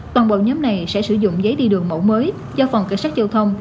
toàn bộ nhóm này sẽ sử dụng giấy đi đường mẫu mới do phòng cảnh sát dâu thông